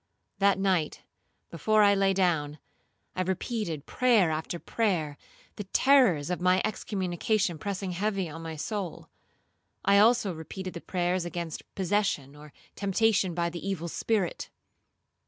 That night, before I lay down, I repeated prayer after prayer, the terrors of my excommunication pressing heavy on my soul. I also repeated the prayers against possession or temptation by the evil spirit.